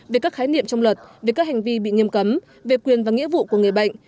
về các khái niệm trong luật về các hành vi bị nghiêm cấm về quyền và nghĩa vụ của người bệnh